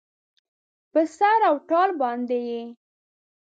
په سر او تال باندې یې